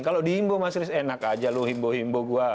kalau di himbau mas chris enak aja lo himbau himbau gua